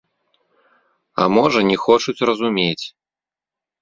А можа не хочуць разумець!